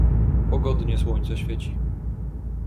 "Pogodnie słońce świeci."